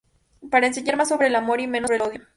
Para enseñar más sobre el amor y menos sobre el odio.